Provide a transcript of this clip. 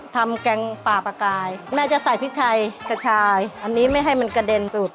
ถึงแม่อู๋ตังกันนะครับ